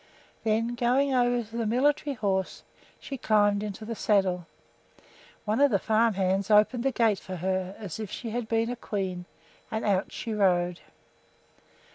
Then, going over to the military horse, she climbed into the saddle. One of the farm hands opened the gate for her as if she had been a queen, and out she rode.